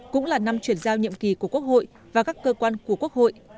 cũng là năm chuyển giao nhiệm kỳ của quốc hội và các cơ quan của quốc hội